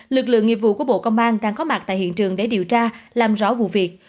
lực lượng nghiệp vụ của bộ công an đang có mặt tại hiện trường để điều tra làm rõ vụ việc